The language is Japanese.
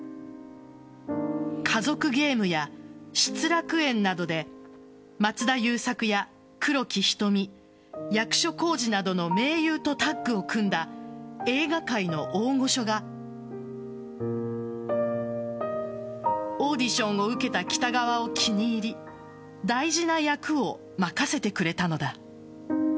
「家族ゲーム」や「失楽園」などで松田優作や黒木瞳役所広司などの名優とタッグを組んだ映画界の大御所がオーディションを受けた北川を気に入り大事な役を任せてくれたのだ。